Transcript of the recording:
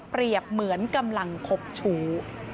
เปรียบเหมือนกำลังคบฉู